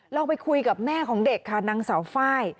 เราไปคุยกับแม่ของเด็กค่ะนางสาวไฟล์